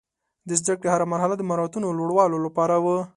د زده کړې هره مرحله د مهارتونو لوړولو لپاره وه.